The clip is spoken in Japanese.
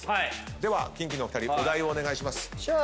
ではキンキのお二人お題をお願いします。